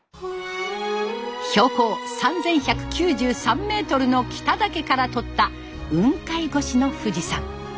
標高３，１９３メートルの北岳から撮った雲海越しの富士山。